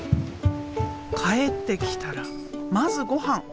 帰ってきたらまずごはん。